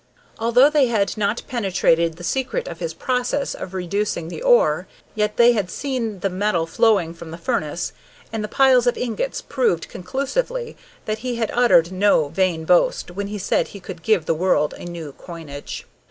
Although they had not penetrated the secret of his process of reducing the ore, yet they had seen the metal flowing from the furnace, and the piles of ingots proved conclusively that he had uttered no vain boast when he said he could give the world a new coinage.